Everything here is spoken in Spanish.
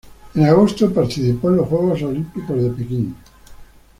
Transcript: En agosto participó en los Juegos Olímpicos de Pekín.